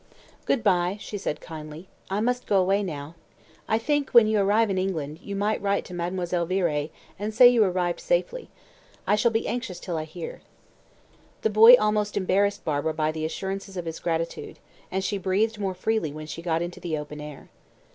"Good bye," she said kindly. "I must go away now. I think, when you arrive in England, you might write to Mademoiselle Viré, and say you arrived safely. I shall be anxious till I hear." The boy almost embarrassed Barbara by the assurances of his gratitude, and she breathed more freely when she got into the open air.